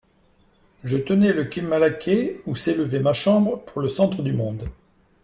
Je tenais le quai Malaquais, ou s'élevait ma chambre, pour le centre du monde.